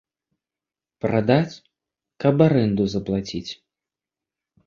Прадаць, каб арэнду заплаціць.